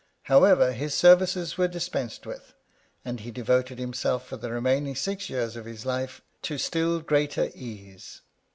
However, his services were dispensed with, and he devoted himself for the remaining six years of his life to still greater ease.